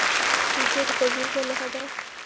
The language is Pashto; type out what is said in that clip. وزې د طبیعي ژوند نښه ده